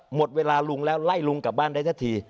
หมดเวลาลุงแล้วไล่ลุงกลับบ้านได้สักที